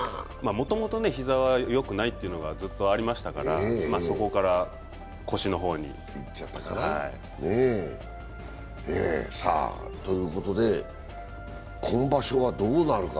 もともと膝はよくないというのがずっとありましたから、そこから腰の方に。ということで、今場所はどうなるか。